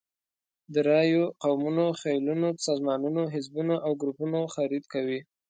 د رایو، قومونو، خېلونو، سازمانونو، حزبونو او ګروپونو خرید کوي.